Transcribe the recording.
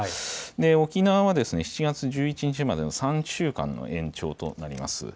沖縄は７月１１日までの３週間の延長となります。